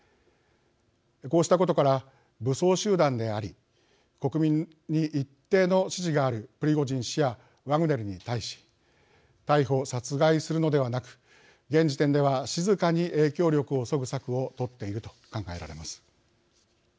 こうしたことから武装集団であり国民に一定の支持があるプリゴジン氏やワグネルに対し逮捕・殺害するのではなく現時点では静かに影響力をそぐ策を取っていると考えられます。